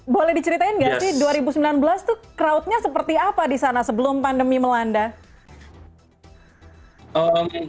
boleh diceritain nggak sih dua ribu sembilan belas tuh crowdnya seperti apa di sana sebelum pandemi melanda